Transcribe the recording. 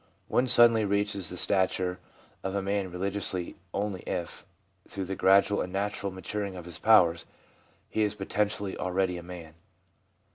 One suddenly reaches the stature of a man religiously only if, through the gradual and natural maturing of his powers, he is potentially already a man.